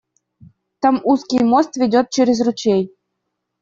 Там узкий мост ведет через ручей.